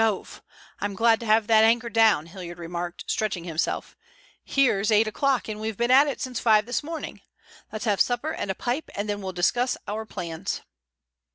"Jove! I'm glad to have that anchor down," Hilliard remarked, stretching himself. "Here's eight o'clock, and we've been at it since five this morning. Let's have supper and a pipe, and then we'll discuss our plans."